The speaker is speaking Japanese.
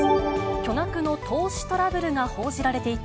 巨額の投資トラブルが報じられていた